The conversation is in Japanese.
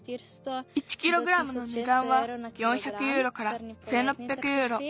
１キログラムのねだんは４００ユーロから１，６００ユーロ。